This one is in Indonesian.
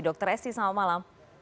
dr esti selamat malam